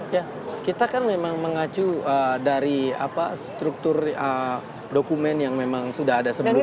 ya kita kan memang mengacu dari struktur dokumen yang memang sudah ada sebelumnya